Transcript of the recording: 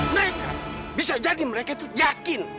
mereka bisa jadi mereka itu yakin